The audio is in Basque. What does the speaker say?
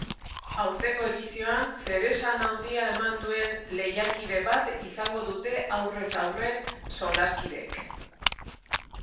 Aurtengo edizioan zeresan handia eman duen lehiakide bat izango dute aurrez aurre solaskideek.